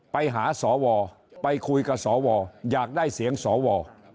ไปหาสวไปคุยกับสวอยากได้เสียงสว